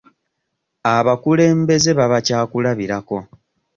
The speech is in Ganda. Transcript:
Abakulembeze baba kyakulabirako.